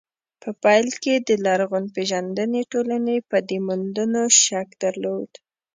په پيل کې د لرغونپېژندنې ټولنې په دې موندنو شک درلود.